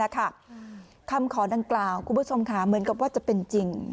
คำขอดังกล่าวคุณผู้ชมค่ะเหมือนกับว่าจะเป็นจริง